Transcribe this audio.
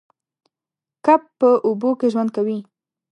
کب په اوبو کې ژوند کوي